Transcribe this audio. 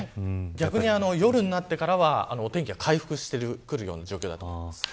夜になってからはお天気が回復してくる状況だと思います。